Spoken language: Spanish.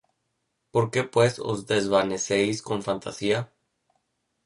¿Por qué pues os desvanecéis con fantasía?